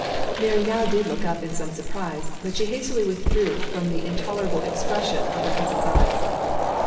Mary now did look up in some surprise; but she hastily withdrew from the intolerable expression of her cousin's eyes.